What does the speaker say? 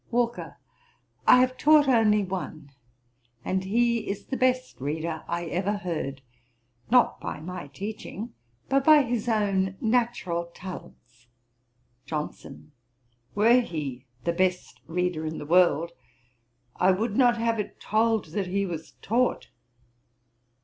WALKER. 'I have taught only one, and he is the best reader I ever heard, not by my teaching, but by his own natural talents.' JOHNSON. 'Were he the best reader in the world, I would not have it told that he was taught.'